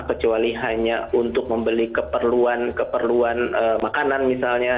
kecuali hanya untuk membeli keperluan keperluan makanan misalnya